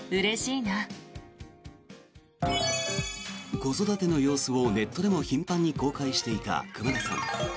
子育ての様子をネットでも頻繁に公開していた熊田さん。